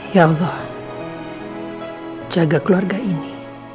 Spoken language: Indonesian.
ya allah jaga keluarga ini